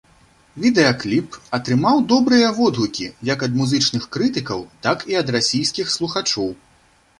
Відэакліп атрымаў добрыя водгукі як ад музычных крытыкаў, так і ад расійскіх слухачоў.